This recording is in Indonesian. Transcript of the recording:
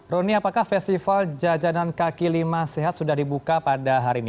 roni apakah festival jajanan kaki lima sehat sudah dibuka pada hari ini